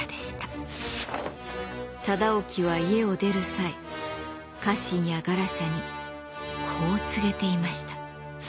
忠興は家を出る際家臣やガラシャにこう告げていました。